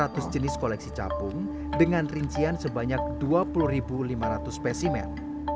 seratus jenis koleksi capung dengan rincian sebanyak dua puluh lima ratus spesimen